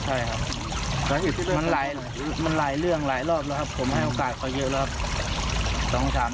ใช่ครับมันหลายเรื่องหลายรอบแล้วครับผมให้โอกาสเขาเยอะแล้วครับ